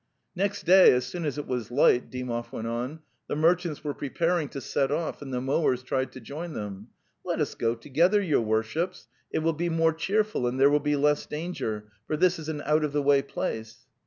'' Next day, as soon as it was light," Dymov went on, '' the merchants were preparing to set off and the mowers tried to join them. 'Let us go together, your worships. It will be more cheerful and there will be less danger, for this is an out of the way place:\.).)